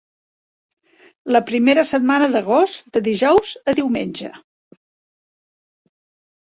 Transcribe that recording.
La primera setmana d'agost, de dijous a diumenge.